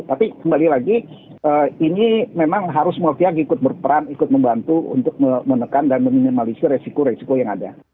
tapi kembali lagi ini memang harus mafia ikut berperan ikut membantu untuk menekan dan meminimalisir resiko resiko yang ada